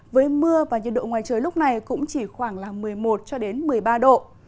với mưa và nhiệt độ ngoài trời lúc này cũng chỉ khoảng là một mươi một cho đến một mươi ba độ